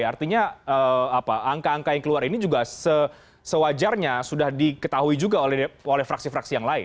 artinya angka angka yang keluar ini juga sewajarnya sudah diketahui juga oleh fraksi fraksi yang lain